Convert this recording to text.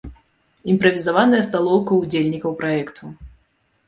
Імправізаваная сталоўка ўдзельнікаў праекту.